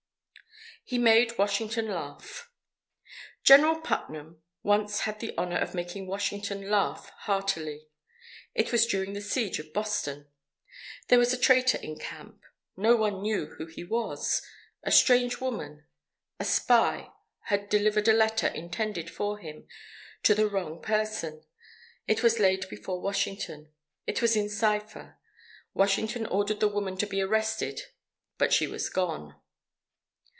HE MADE WASHINGTON LAUGH General Putnam once had the honour of making Washington laugh heartily. It was during the Siege of Boston. There was a traitor in camp. No one knew who he was. A strange woman a spy had delivered a letter, intended for him, to the wrong person. It was laid before Washington. It was in cipher. Washington ordered the woman to be arrested, but she was gone.